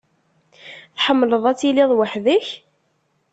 Tḥemmleḍ ad tiliḍ weḥd-k?